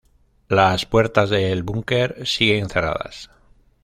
Las puertas del búnker siguen cerradas.